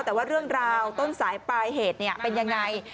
แต่ว่าเรื่องราวต้นสายปลายเหตุเป็นยังไง